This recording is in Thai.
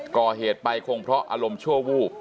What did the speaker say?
ก่อเหตุไปคงเพราะอารมณ์ชั่ววูบ